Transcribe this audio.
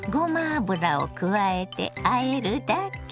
油を加えてあえるだけ。